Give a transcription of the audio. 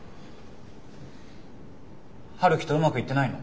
陽樹とうまくいってないの？